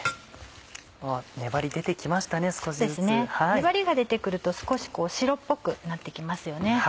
粘りが出て来ると少し白っぽくなって来ますよね。